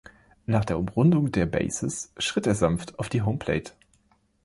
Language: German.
Nach der Umrundung der Bases schritt er sanft auf die Home Plate.